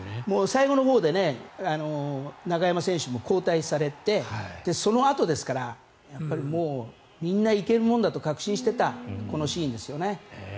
最後のほうで中山選手も交代されてそのあとですからもうみんな行けるものだと確信していたシーンですよね。